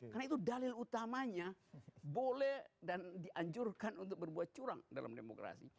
karena itu dalil utamanya boleh dan dianjurkan untuk berbuat curang dalam demokrasi